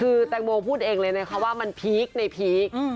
คือแตงโมพูดเองเลยนะคะว่ามันพีคในพีค